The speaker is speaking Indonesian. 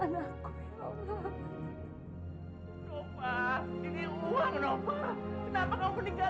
mama masih punya banyak uang uang untuk gaya hidup kalian hahaha